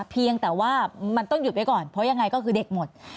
เพียงแต่ว่ามันต้องหยุดไว้ก่อนเพราะยังไงก็คือเด็กหมด